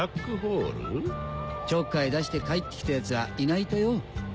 ちょっかい出して帰ってきたヤツはいないとよ。